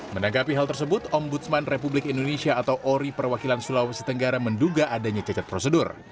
menanggapi hal tersebut ombudsman republik indonesia atau ori perwakilan sulawesi tenggara menduga adanya cacat prosedur